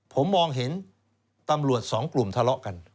ผมมองเห็นตำรวจสองกลุ่มทะเลาะกัน